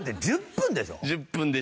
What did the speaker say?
１０分でした。